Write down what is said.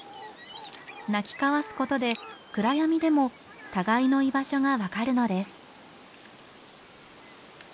鳴き交わすことで暗闇でも互いの居場所が分かるのです。